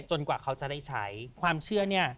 กว่าเขาจะได้ใช้ความเชื่อเนี่ย